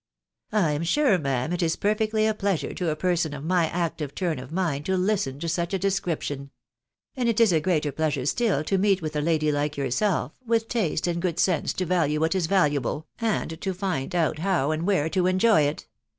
"lam sure, ma'am, it is perfectly a pleasure to ja person of my active turn of mind to listen to such a description ; and it is a greater pleasure still to meet with a lady like yourself, with taste and good sense to value what is valuable, and to find out how and where to enjoy it